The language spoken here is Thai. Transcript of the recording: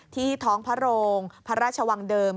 ที่ท้องพระโรงพระราชวังเดิม